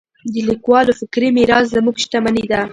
د لیکوالو فکري میراث زموږ شتمني ده.